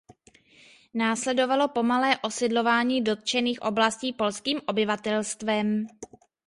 Následovalo pomalé osidlování dotčených oblastí polským obyvatelstvem.